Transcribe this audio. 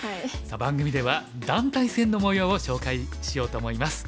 さあ番組では団体戦のもようを紹介しようと思います。